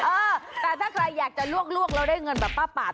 เออแต่ถ้าใครอยากจะลวกแล้วได้เงินแบบป้าปาด